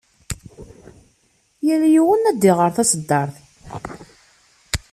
Yal yiwen ad d-iɣer taṣeddart.